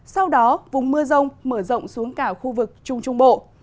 sau đó vùng mưa rông mở rộng xuống cả khu vực trung trung bộ